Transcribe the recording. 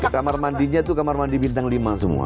kamar mandinya itu kamar mandi bintang lima semua